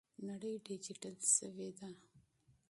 نړۍ ډیجیټل شوې ده.